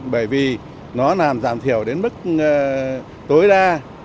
bởi vì nó làm giảm thiểu đến mức tối đa